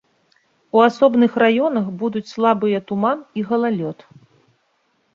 У асобных раёнах будуць слабыя туман і галалёд.